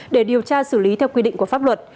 để điều tra xử lý theo quy định của pháp luật